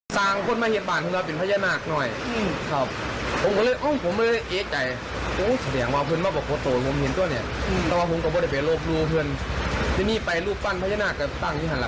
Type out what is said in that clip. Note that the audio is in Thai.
สางคนมาเฮียบบ้านพวกเราเป็นพญานาคหน่อย